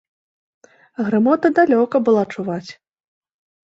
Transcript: Грымота далёка была чуваць!